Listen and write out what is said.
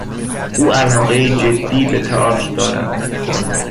او علاقهی جدی به تئاتر دارد.